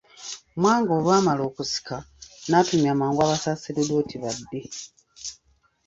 Mwanga olwamala okusika n'atumya mangu Abasaserdoti badde.